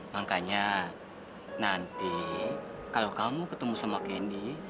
makanya nanti kalau kamu ketemu sama kendi